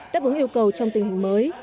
đáp ứng yêu cầu trong tình hình mới